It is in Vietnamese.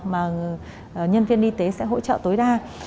mà nhân viên y tế sẽ hỗ trợ tối đa